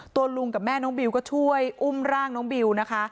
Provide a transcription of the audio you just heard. ตัวลุงกับแม่น้องบิวก็ช่วยอุ้มร่างน้องบิวนะคะ